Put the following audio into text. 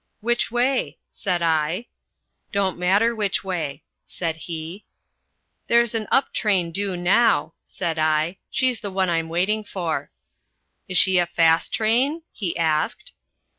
"'Which way?' said I. "'Don't matter which way,' said he. "'There's an up train due now,' said I; 'she's the one I'm waiting for.' "'Is she a fast train?' he asked.